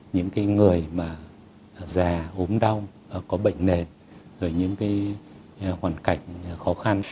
những cái người mà già ốm đau có bệnh nền rồi những cái hoàn cảnh khó khăn